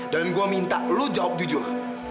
dan gue minta lu jawab jujur